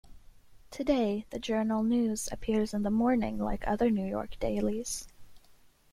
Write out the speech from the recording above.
Today, "The Journal News" appears in the morning like other New York dailies.